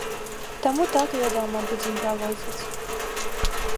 Таму, так, вядома, будзем праводзіць.